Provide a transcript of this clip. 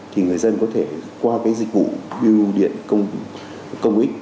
thì người dân có thể qua cái dịch vụ biêu điện công ích